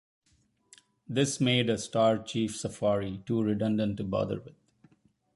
This made a Star Chief Safari too redundant to bother with.